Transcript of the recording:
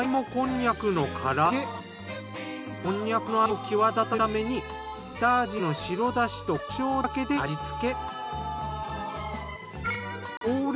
こんにゃくの味を際立たせるために下味の白だしとコショウだけで味付け。